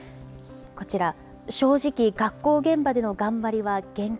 こちら、正直、学校現場での頑張りは限界。